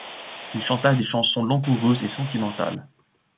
Il chanta des chansons langoureuses et sentimentales.